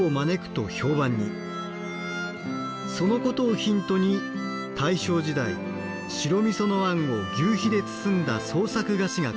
そのことをヒントに大正時代白みそのあんを求肥で包んだ創作菓子が考案され